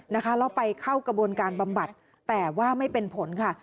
แล้วไปเข้ากระบวนการบำบัดแต่ว่าไม่เป็นผลค่ะ